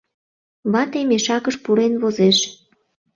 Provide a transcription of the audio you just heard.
Вате мешакыш пурен возеш.